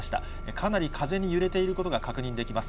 かなり風に揺れていることが確認できます。